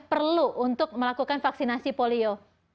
perlu untuk melakukan vaksinasi polio